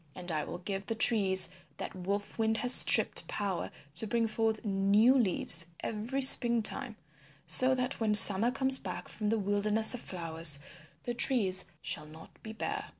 And I will give the trees that Wolf Wind has stripped power to bring forth new leaves every spring time so that when Summer comes back from the Wilderness of Flowers the trees shall not be bare.